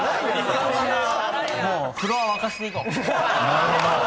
［なるほど。